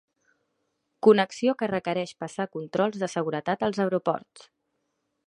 Connexió que requereix passar controls de seguretat als aeroports.